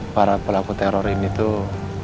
para pelaku teror ini tuh